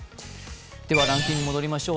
ランキングに戻りましょう。